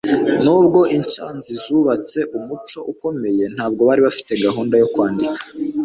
Nubwo Incasi zubatse umuco ukomeye ntabwo bari bafite gahunda yo kwandika